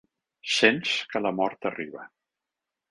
Sents que la mort arriba